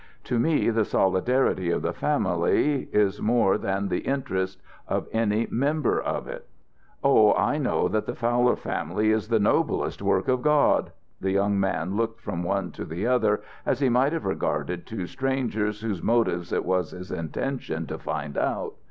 To me the solidarity of the family it more than the interest of any member of it." "Oh, I know that the Fowler family is the noblest work of God." The young man looked from one to the other as he might have regarded two strangers whose motives it was his intention to find out.